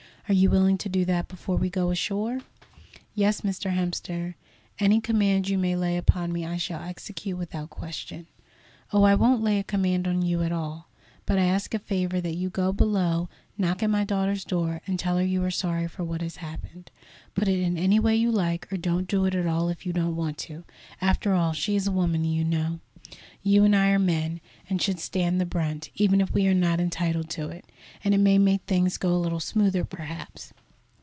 Are you willing to do that before we go ashore?" "Yes, Mr. Hemster, any command you may lay upon me I shall execute without question." "Oh, I won't lay a command on you at all; but I ask as a favour that you go below, knock at my daughter's door, and tell her you are sorry for what has happened. Put it any way you like, or don't do it at all if you don't want to. After all, she is a woman, you know. You and I are men, and should stand the brunt, even if we are not entitled to it, and it may make things go a little smoother, perhaps."